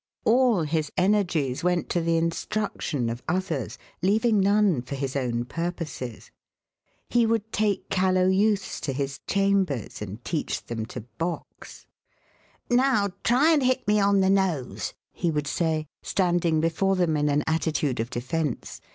All his energies went to the instruction of others, leaving none for his own purposes. He would take callow youths to his chambers and teach them to box. "Now, try and hit me on the nose," he would say, standing before them in an attitude of defence.